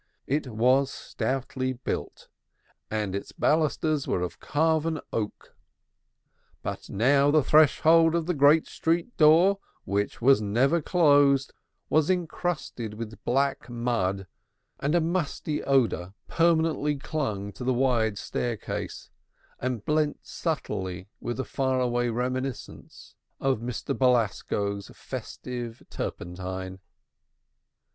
It was stoutly built and its balusters were of carved oak. But now the threshold of the great street door, which was never closed, was encrusted with black mud, and a musty odor permanently clung to the wide staircase and blent subtly with far away reminiscences of Mr. Belcovitch's festive turpentine.